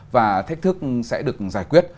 và thách thức sẽ được giải quyết